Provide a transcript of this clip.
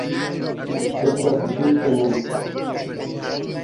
Estas ĝuste mi.